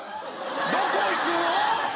どこ行くの？